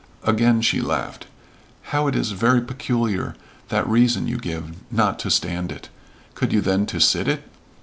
Again she laughed. "How it is very peculiar that reason you give. Not to stand it! Could you then to sit it?"